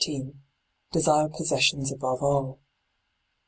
Desire possessions above all.